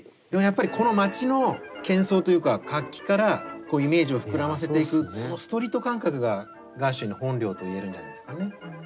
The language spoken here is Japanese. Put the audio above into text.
でもやっぱりこの街のけん騒というか活気からこうイメージを膨らませていくそのストリート感覚がガーシュウィンの本領と言えるんじゃないですかね。